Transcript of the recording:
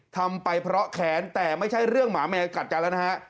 ทำไปเพราะแขนแต่ไม่ใช่เรื่องหมาแมวกัดกันแล้วนะฮะ